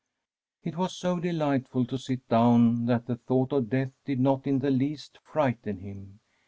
It was so delightful to sit down that the thought of death did not in the least frighten him.